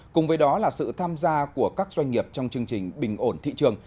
cùng với đó là sự tham gia của các doanh nghiệp trong chương trình bình ổn thị trường